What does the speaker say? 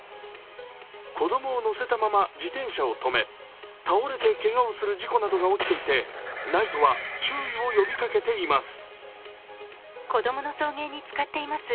子供を乗せたまま自転車を止め、倒れてけがをする事故などが起きていてＮＩＴＥは注意を呼びかけています。